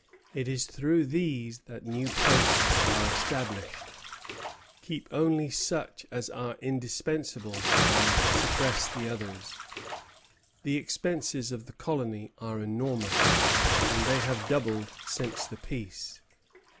It is through these that new posts are established. Keep only such as are indispensable, and suppress the others. The expenses of the colony are enormous; and they have doubled since the peace."